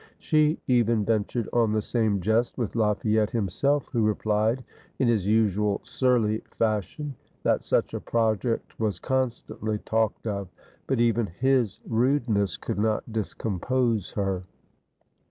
She even ventured on the same jest with Lafa yette himself, who replied, in his usual surly fashion, that such a project was constantly talked of; but even his rudeness could not discompose her.